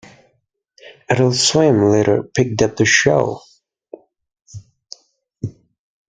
Adult Swim later picked up the show.